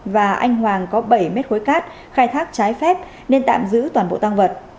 và anh hoàng có bảy mét khối cát khai thác trái phép nên tạm giữ toàn bộ tăng vật